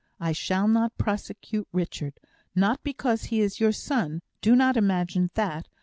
I shall not prosecute Richard. Not because he is your son do not imagine that!